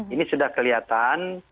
ini sudah kelihatan